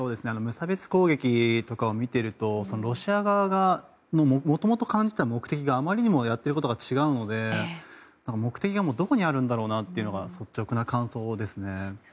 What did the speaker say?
無差別攻撃とかを見ていると、ロシア側のもともと感じていた目的からあまりにもやっていることが違うので目的がどこにあるんだろうというのが率直な感想です。